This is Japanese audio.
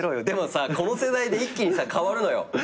でもさこの世代で一気に変わるのよ。